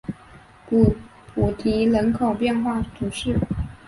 普迪人口变化图示